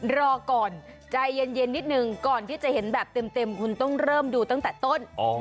รอก่อนใจเย็นนิดนึงก่อนที่จะเห็นแบบเต็มคุณต้องเริ่มดูตั้งแต่ต้น